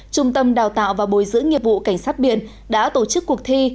trung tâm đào tạo và bồi giữ nghiệp vụ cảnh sát biển đã tổ chức cuộc thi